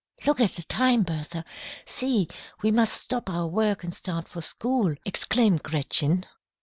"Look at the time, Bertha. See, we must stop our work and start for school," exclaimed Gretchen.